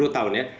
sepuluh tahun ya